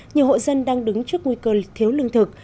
nhiều hộ dân đang đứng trước nguy cơ thiếu lương thực